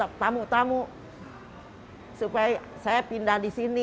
ia itu menjadiimeter dan ini pindah sini